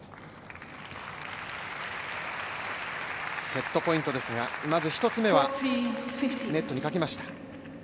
セットポイントですが、まず１つ目はネットにかけました。